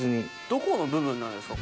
どこの部分なんですか？